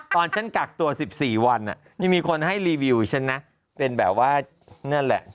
ตอนฉันกักตัว๑๔วันยังมีคนให้รีวิวฉันนะเป็นแบบว่านั่นแหละ